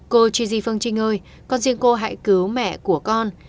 cô chizy phương trinh ơi con xin cô hãy cứu mẹ của con